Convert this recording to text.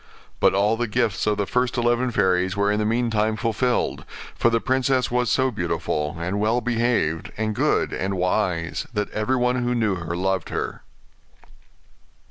But all the gifts of the first eleven fairies were in the meantime fulfilled; for the princess was so beautiful, and well behaved, and good, and wise, that everyone who knew her loved her.